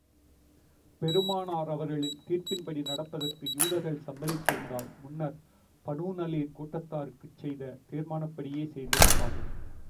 பெருமானார் அவர்களின் தீர்ப்பின்படி நடப்பதற்கு யூதர்கள் சம்மதித்திருந்தால், முன்னர் பனூ நலீர் கூட்டத்தாருக்குச் செய்த தீர்மானப்படியே செய்திருப்பார்கள்.